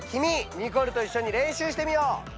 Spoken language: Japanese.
ニコルといっしょに練習してみよう！